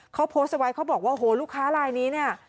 เขาโพสต์เอาไว้เขาบอกว่าโอ้โหลูกค้าลายนี้เนี่ย